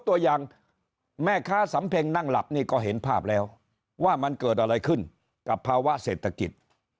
ตัวอย่างแม่ค้าสำเพ็งนั่งหลับนี่ก็เห็นภาพแล้วว่ามันเกิดอะไรขึ้นกับภาวะเศรษฐกิจ